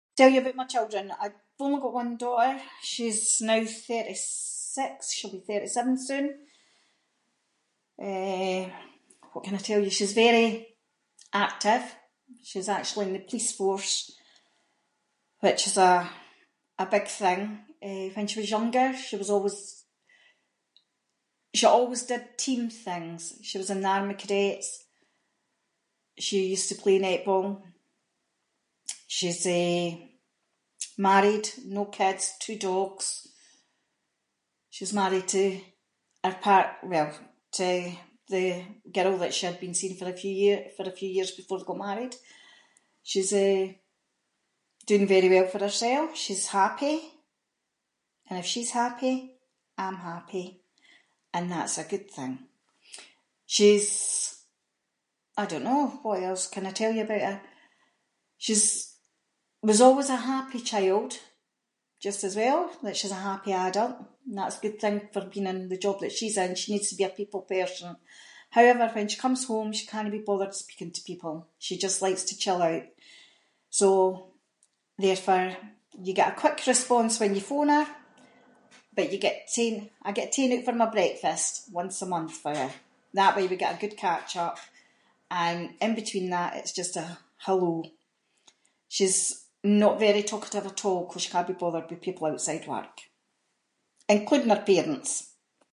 Tell you about my children, I’ve only got one daughter, she’s now thirty-six, she’ll be thirty-seven soon. Eh, what can I tell you? She’s very active, she’s actually in the police force, which is a- a big thing. Eh, when she was younger, she was always. She always did team things, she was in the army cadettes, she used to play netball. She’s eh, married, no kids, two dogs. She’s married to her part- well to the girl that she had been seeing for a few year- for a few years before they got married. She’s, eh, doing very well for hersel, she’s happy, and if she’s happy, I’m happy, and that’s a good thing. She’s, I don’t know, what else can I tell you about her. She’s- was always a happy child, just as well that she’s a happy adult, and that’s a good thing for being in the job that she’s in, she needs to be a people person. However, when she comes home, she cannae be bothered speaking to people, she just likes to chill out. So therefore, you get a quick response when you phone her, but you get taken- I get taken out for my breakfast once a month frae her, that way we get a good catch up, and in between that it’s just a hello. She’s not very talkative at all, ‘cause she cannae be bothered with people outside work. Including her parents.